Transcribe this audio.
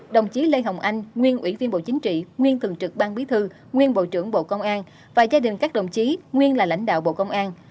đồng chí lê hồng anh nguyên ủy viên bộ chính trị nguyên thường trực ban bí thư nguyên bộ trưởng bộ công an và gia đình các đồng chí nguyên là lãnh đạo bộ công an